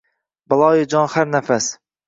Baloyi jon har nafas.